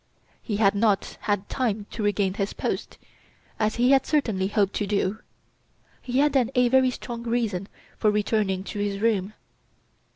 He had not had time to regain his post, as he had certainly hoped to do. He had then a very strong reason for returning to his room.